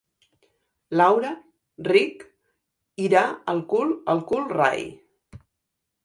L'aula —ric!— irà al cul, al cul rai...